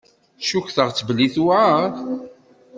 Ccukteɣ-tt belli tewεer.